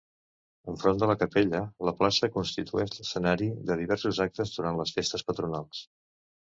Enfront de la capella, la plaça constitueix l'escenari de diversos actes durant les festes patronals.